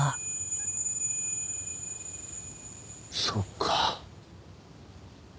そっか。